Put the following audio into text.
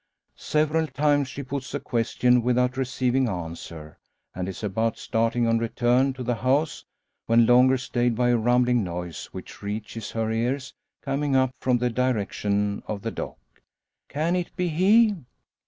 Several times she puts the question without receiving answer; and is about starting on return to the house, when longer stayed by a rumbling noise which reaches her ears, coming up from the direction of the dock. "Can it be he?"